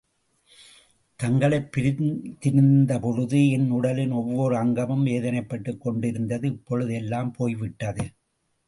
தங்களைப் பிரிந்திருந்தபொழுது என் உடலின் ஒவ்வோர் அங்கமும் வேதனைப்பட்டுக் கொண்டிருந்தது. இப்பொழுது எல்லாம் போய் விட்டது.